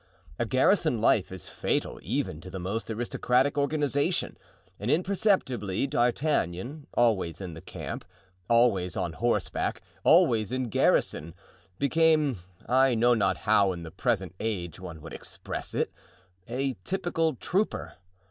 A garrison life is fatal even to the most aristocratic organization; and imperceptibly, D'Artagnan, always in the camp, always on horseback, always in garrison, became (I know not how in the present age one would express it) a typical trooper.